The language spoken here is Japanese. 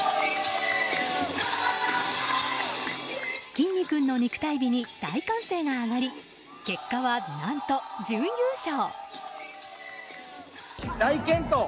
きんに君の肉体美に大歓声が上がり結果は、何と準優勝。